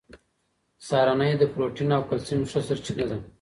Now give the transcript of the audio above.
سهارنۍ د پروټین او کلسیم ښه سرچینه ده.